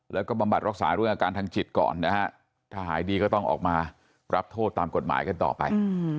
แล้วก็บำบัดรักษาเรื่องอาการทางจิตก่อนนะฮะถ้าหายดีก็ต้องออกมารับโทษตามกฎหมายกันต่อไป